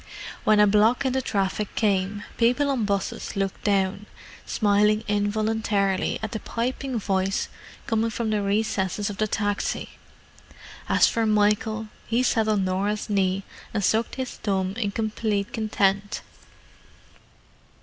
When a block in the traffic came, people on 'buses looked down, smiling involuntarily at the piping voice coming from the recesses of the taxi. As for Michael, he sat on Norah's knee and sucked his thumb in complete content.